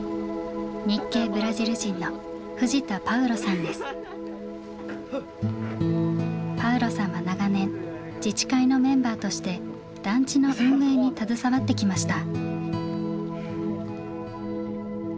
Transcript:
日系ブラジル人のパウロさんは長年自治会のメンバーとして団地の運営に携わってきました。